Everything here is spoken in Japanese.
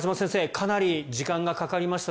かなり時間がかかりました